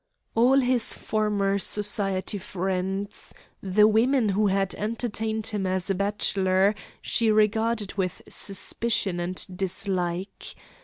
All his former society friends, the women who had entertained him as a bachelor, she regarded with suspicion and dislike.